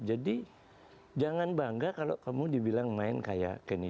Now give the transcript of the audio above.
jadi jangan bangga kalo kamu dibilang main kayak kenny g